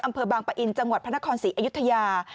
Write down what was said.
อำเภอบางปะอินจังหวัดพระนครศรีอยุธยา